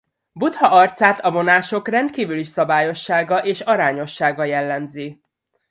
Buddha arcát a vonások rendkívüli szabályossága és arányossága jellemzi.